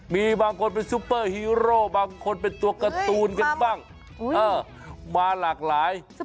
มีบางคนเป็นซุปเปอร์ฮีโร่บางคนเป็นตัวการ์ตูนกันบ้างมาหลากหลาย